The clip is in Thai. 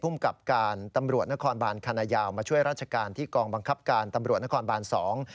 กับการตำรวจนครบานคณะยาวมาช่วยราชการที่กองบังคับการตำรวจนครบานสอง